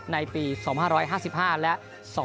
ในปี๒๕๕๕และ๒๕๖